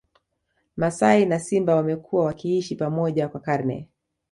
Masai na Simba wamekuwa wakiishi pamoja kwa karne